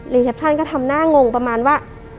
เทปชั่นก็ทำหน้างงประมาณว่า